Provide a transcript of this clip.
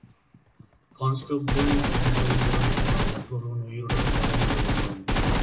Constable Enright இறந்து போனான் மற்றொருவன் உயிருடன் மறைந்தொழிந்தான்.